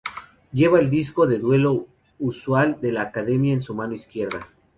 Lleva el Disco de Duelo usual de la academia en su mano izquierda.